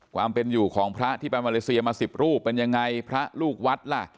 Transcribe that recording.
ความเป็นอยู่ของพระที่ไปมาเลเซียมาสิบรูปเป็นยังไงพระลูกวัดล่ะ